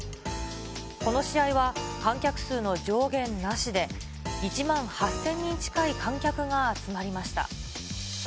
この試合は観客数の上限なしで、１万８０００人近い観客が集まりました。